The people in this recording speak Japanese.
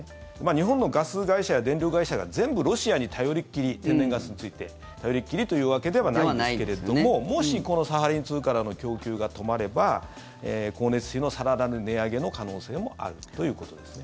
日本のガス会社や電力会社が全部ロシアに頼りっきり天然ガスについて頼りっきりというわけではないんですけれどももし、サハリン２からの供給が止まれば光熱費の更なる値上げの可能性もあるということですね。